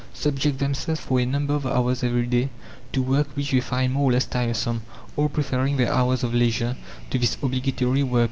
subject themselves for a number of hours every day to work which they find more or less tiresome, all preferring their hours of leisure to this obligatory work.